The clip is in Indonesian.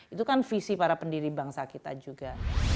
itu kan visi para pendiri bangsa kita juga